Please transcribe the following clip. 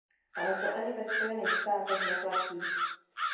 Ale to ani ve Spojených státech neplatí.